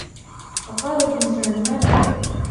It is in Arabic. وَقَالَ الْإِنْسَانُ مَا لَهَا